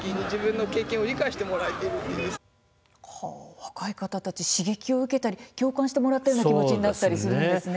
若い方たち刺激を受けたり共感してもらったような気持ちになったりするんですね。